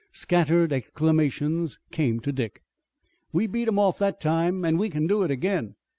Scattered exclamations came to Dick: "We beat 'em off that time, an' we can do it again."